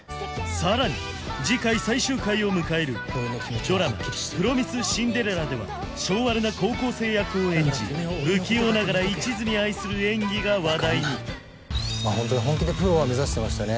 さらに次回最終回を迎えるドラマ「プロミス・シンデレラ」では性悪な高校生役を演じ不器用ながら一途に愛する演技が話題にホントに本気でプロは目指してましたね